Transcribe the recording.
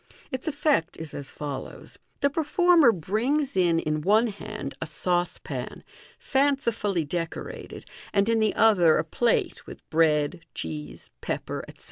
Its effect is as follows: — The pei former brings in in one hand a sauce pan, fancifully decorated, and in the other a plate, with bread, cheese, pepper, etc.